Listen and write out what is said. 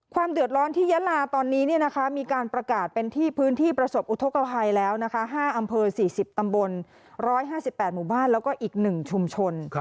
เดือดร้อนที่ยาลาตอนนี้มีการประกาศเป็นที่พื้นที่ประสบอุทธกภัยแล้วนะคะ๕อำเภอ๔๐ตำบล๑๕๘หมู่บ้านแล้วก็อีก๑ชุมชน